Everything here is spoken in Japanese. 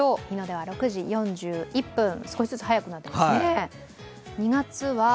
日の出は６時４１分。